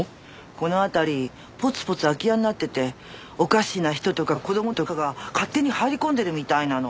この辺りポツポツ空き家になってておかしな人とか子供とかが勝手に入り込んでるみたいなの。